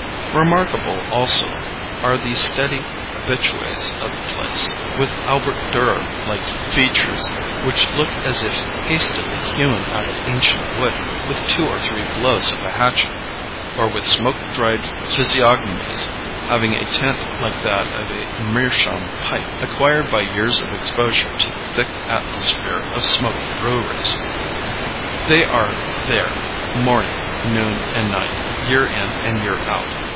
Remarkable also are the steady habitués of the place, with Albert Dürer like features which look as if hastily hewn out of ancient wood with two or three blows of a hatchet, or with smoke dried physiognomies having a tint like that of a meerschaum pipe, acquired by years of exposure to the thick atmosphere of smoky breweries. They are there morning, noon, and night, year in and year out.